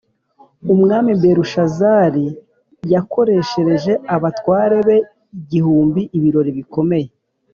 Umwami Belushazarin yakoreshereje abatware be igihumbi ibirori bikomeye